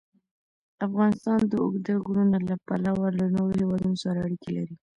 افغانستان د اوږده غرونه له پلوه له نورو هېوادونو سره اړیکې لري.